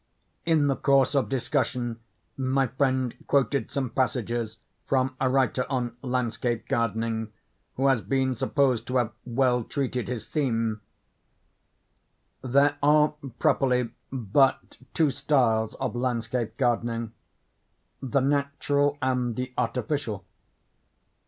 In the course of discussion, my friend quoted some passages from a writer on landscape gardening who has been supposed to have well treated his theme: "There are properly but two styles of landscape gardening, the natural and the artificial.